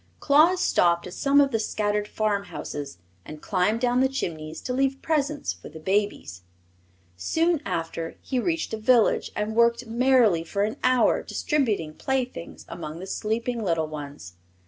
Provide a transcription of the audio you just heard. Claus stopped at some of the scattered farmhouses and climbed down the chimneys to leave presents for the babies. Soon after he reached a village and worked merrily for an hour distributing playthings among the sleeping little ones.